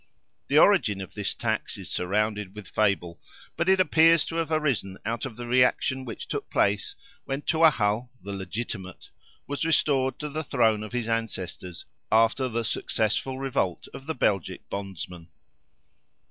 The origin of this tax is surrounded with fable, but it appears to have arisen out of the reaction which took place, when Tuathal, "the Legitimate," was restored to the throne of his ancestors, after the successful revolt of the Belgic bondsmen.